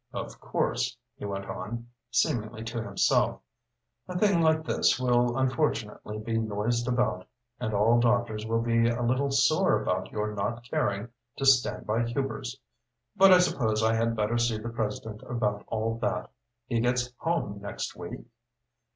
Of course," he went on, seemingly to himself, "a thing like this will unfortunately be noised about, and all doctors will be a little sore about your not caring to stand by Hubers. But I suppose I had better see the president about all that. He gets home next week?